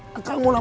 kan mau dapat saya